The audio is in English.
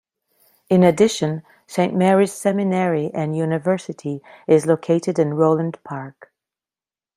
In addition, St. Mary's Seminary and University is located in Roland Park.